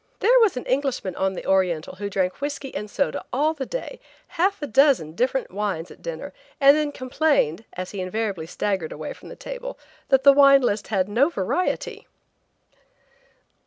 There was an Englishman on the Oriental who drank whiskey and soda all the day, half a dozen different wines at dinner, and then complained, as he invariably staggered away from the table, that the wine list had no variety!